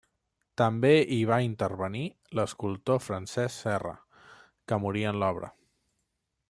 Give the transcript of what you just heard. També hi va intervenir l'escultor Francesc Serra, que morí en l'obra.